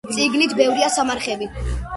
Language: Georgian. შიგნით ბევრია სამარხები.